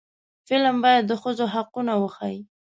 فلم باید د ښځو حقونه وښيي